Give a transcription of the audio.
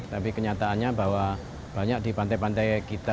tapi kenyataannya bahwa banyak di pantai pantai kita